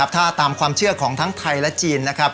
ถ้าตามความเชื่อของทั้งไทยและจีนนะครับ